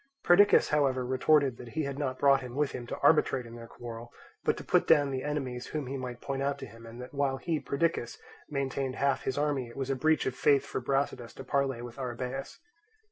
Perdiccas however retorted that he had not brought him with him to arbitrate in their quarrel, but to put down the enemies whom he might point out to him; and that while he, Perdiccas, maintained half his army it was a breach of faith for Brasidas to parley with Arrhabaeus.